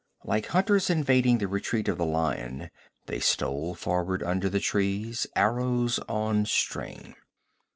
Like hunters invading the retreat of the lion, they stole forward under the trees, arrows on string.